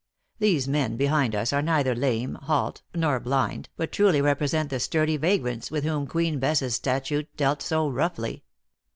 These men behind us are neither lame, halt, nor blind, but truly represent the sturdy vagrants with whom Queen Bess s statute dealt so roughly.